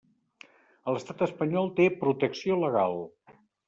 A l'estat espanyol té protecció legal.